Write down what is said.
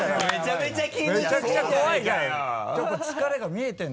めちゃくちゃ怖いじゃん。